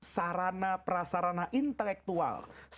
sarana prasarana intelektualnya